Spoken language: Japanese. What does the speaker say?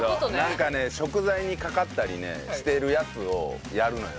なんかね食材にかかったりねしてるやつをやるのよ。